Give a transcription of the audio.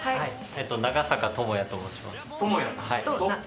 長坂トモヤと申します。